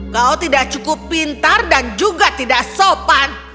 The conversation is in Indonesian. kau tidak cukup pintar dan juga tidak sopan